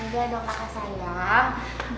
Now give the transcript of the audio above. ya udah dong kakak sayang